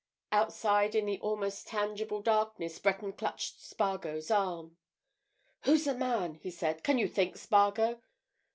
Outside, in the almost tangible darkness, Breton clutched Spargo's arm. "Who's the man?" he said. "Can you think, Spargo?"